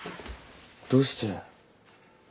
どうして。